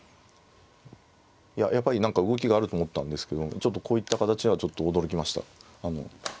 いややっぱり何か動きがあると思ったんですけどちょっとこういった形ではちょっと驚きました。